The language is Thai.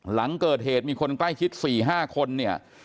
หลังเกิดเหตุมีคนใกล้ชิด๔๕คนเนี่ย